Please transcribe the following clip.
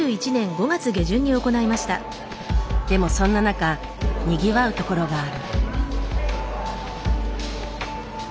でもそんな中にぎわうところがある。